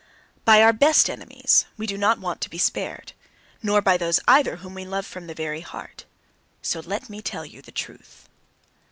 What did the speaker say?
By our best enemies we do not want to be spared, nor by those either whom we love from the very heart. So let me tell you the truth!